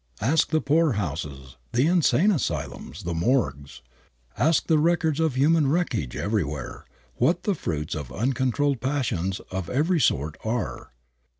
Ask the poorhouses, the insane asylums, the morgues, ask the records of human wreckage everywhere, what the fruits of uncontrolled passions of every sort are.